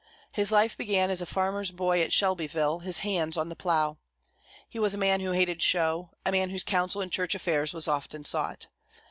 His life began as a farmer's boy at Shelbyville, his hands on the plough. He was a man who hated show, a man whose counsel in Church affairs was often sought.